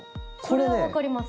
それはわかります